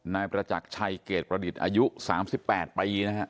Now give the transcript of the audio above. นายประจักรชัยเกรดประดิษฐ์อายุ๓๘ปีนะฮะ